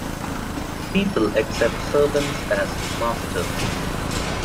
People accept servants as masters.